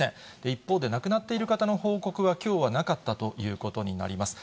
一方で亡くなっている方の報告はきょうはなかったということになります。